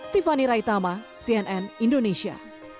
tiffany raitama cnn indonesia